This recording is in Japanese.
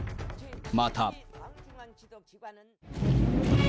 また。